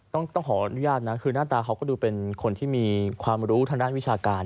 ต้องขออนุญาตนะคือหน้าตาเขาก็ดูเป็นคนที่มีความรู้ทางด้านวิชาการ